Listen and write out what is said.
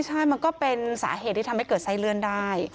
ใช่มันก็เป็นสาเหตุที่ทำให้เกิดไส้เลื่อนได้